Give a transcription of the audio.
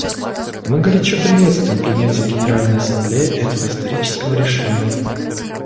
Мы горячо приветствуем принятие Генеральной Ассамблеей этого исторического решения.